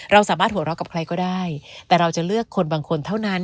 เราสามารถหัวเราะกับใครก็ได้แต่เราจะเลือกคนบางคนเท่านั้น